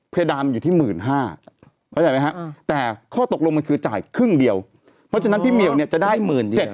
เพรดามอยู่ที่๑๕๐๐๐บาทแต่ข้อตกลงมันคือจ่ายครึ่งเดียวเพราะฉะนั้นพี่เหมียวจะได้๗๕๐๐บาท